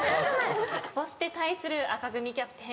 そして対する赤組キャプテン